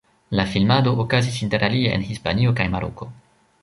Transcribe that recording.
La filmado okazis inter alie en Hispanio kaj Maroko.